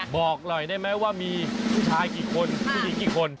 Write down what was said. บอกหน่อยได้ไหมว่ามีผู้ชายกี่คนผู้หญิงกี่คน